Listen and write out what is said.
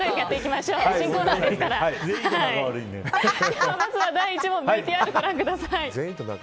まずは第１問ＶＴＲをご覧ください。